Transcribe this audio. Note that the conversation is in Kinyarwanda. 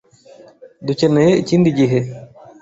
Dukeneye ikindi gihe.